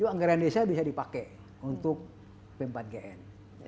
anggaran desa bisa dipakai untuk pempat gn